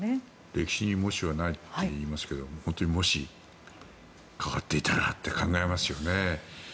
歴史に、もしはないといいますが本当にもし変わっていたらって考えますよね。